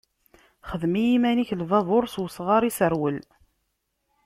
Xdem i yiman-ik lbabuṛ s wesɣar n iseṛwel.